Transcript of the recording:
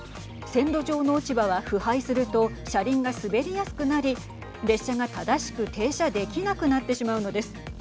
線路上の落ち葉は腐敗すると車輪が滑りやすくなり列車が正しく停車できなくなってしまうのです。